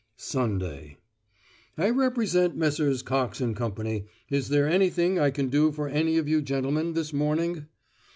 SUNDAY "I represent Messrs. Cox and Co. Is there anything I can do for any of you gentlemen this morning?"